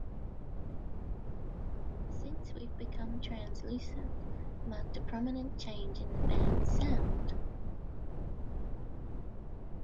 "Since We've Become Translucent" marked a prominent change in the band's sound.